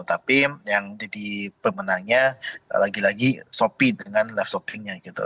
tapi yang jadi pemenangnya lagi lagi shopee dengan live shoppingnya gitu